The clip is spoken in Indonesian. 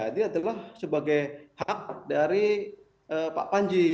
ini adalah sebagai hak dari pak panji